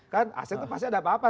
kan asep itu pasti ada apa apa